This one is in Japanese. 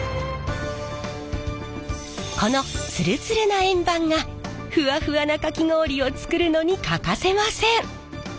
このツルツルな円盤がふわふわなかき氷を作るのに欠かせません。